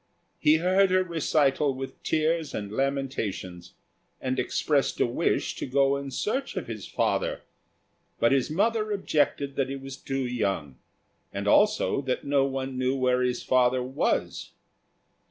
He heard her recital with tears and lamentations, and expressed a wish to go in search of his father; but his mother objected that he was too young, and also that no one knew where his father was.